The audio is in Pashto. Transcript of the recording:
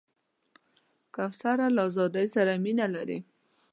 کوتره له آزادۍ سره مینه لري.